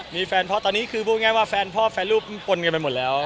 มีแฟนพ่อตอนนี้คือพูดง่ายว่าแฟนพ่อแฟนรูปปนกันไปหมดแล้ว